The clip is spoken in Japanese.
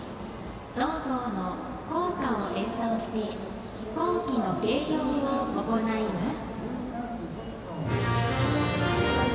同校の校歌を演奏して校旗の掲揚を行います。